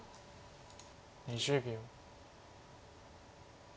２０秒。